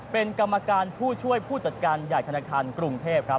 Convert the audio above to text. เป็นกรรมการผู้ช่วยผู้จัดการใหญ่ธนาคารกรุงเทพครับ